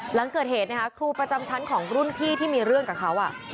หลังเกิดเหตุนะคะครูประจำชั้นของรุ่นพี่ที่มีเรื่องกับเขา